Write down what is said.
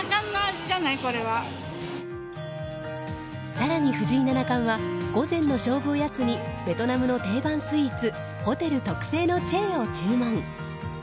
更に藤井七冠は午前の勝負おやつにベトナムの定番スイーツホテル特製のチェーを注文。